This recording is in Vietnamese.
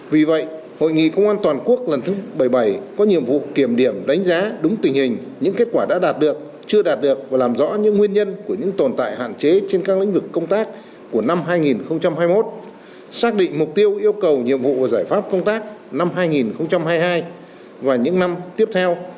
vì vậy hội nghị công an toàn quốc lần thứ bảy mươi bảy có nhiệm vụ kiểm điểm đánh giá đúng tình hình những kết quả đã đạt được chưa đạt được và làm rõ những nguyên nhân của những tồn tại hạn chế trên các lĩnh vực công tác của năm hai nghìn hai mươi một xác định mục tiêu yêu cầu nhiệm vụ và giải pháp công tác năm hai nghìn hai mươi hai và những năm tiếp theo